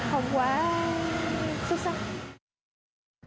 học quá xuất sắc